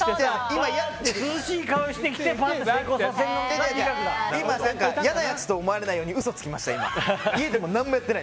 今、嫌なやつと思われないように嘘つきました。